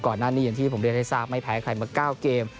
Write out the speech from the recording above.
อย่างที่ผมเรียนให้ทราบไม่แพ้ใครมา๙เกม